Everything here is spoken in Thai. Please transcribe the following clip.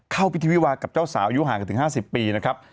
เข้าพิธีวิวากับเจ้าสาวอายุห่างกันถึง๕๐ปีนะครับ